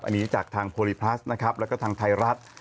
อันนี้จากทางโพลิพลัสนะครับแล้วก็ทางไทยรัฐ